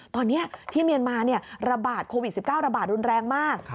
ตอนนี้ที่เมียนมาระบาดโควิด๑๙ระบาดรุนแรงมาก